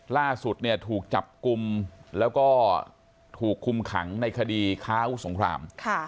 ล่าสุดเนี่ยถูกจับกลุ่มแล้วก็ถูกคุมขังในคดีค้าอาวุธสงคราม